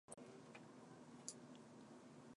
The sound of laughter and cheers filled the night sky.